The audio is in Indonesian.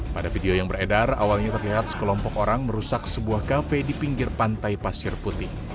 pada video yang beredar awalnya terlihat sekelompok orang merusak sebuah kafe di pinggir pantai pasir putih